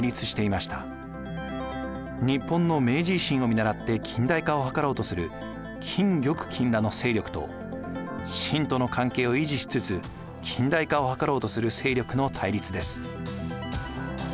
日本の明治維新をみならって近代化をはかろうとする金玉均らの勢力と清との関係を維持しつつ近代化をはかろうとする勢力の対立です。